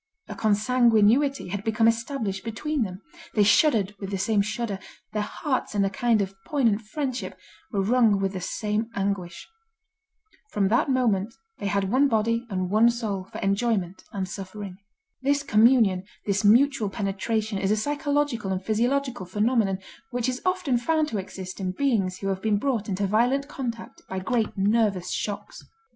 A consanguinity had become established between them. They shuddered with the same shudder; their hearts in a kind of poignant friendship, were wrung with the same anguish. From that moment they had one body and one soul for enjoyment and suffering. This communion, this mutual penetration is a psychological and physiological phenomenon which is often found to exist in beings who have been brought into violent contact by great nervous shocks.